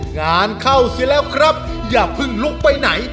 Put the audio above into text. งานเข้าสิแล้วครับอย่าเพิ่งลุกไปไหน